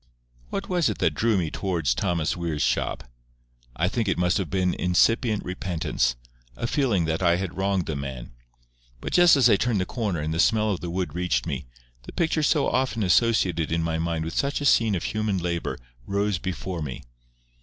What was it that drew me towards Thomas Weir's shop? I think it must have been incipient repentance—a feeling that I had wronged the man. But just as I turned the corner, and the smell of the wood reached me, the picture so often associated in my mind with such a scene of human labour, rose before me.